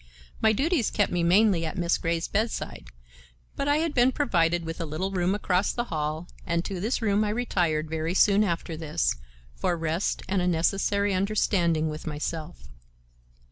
My duties kept me mainly at Miss Grey's bedside, but I had been provided with a little room across the hall, and to this room I retired very soon after this, for rest and a necessary understanding with myself.